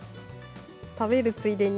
食べるついでに。